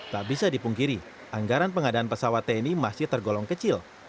tak bisa dipungkiri anggaran pengadaan pesawat tni masih tergolong kecil